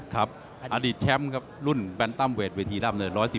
ครับอดีตแชมป์ครับรุ่นแบนตัมเวทเวทีร่ำเนิน๑๑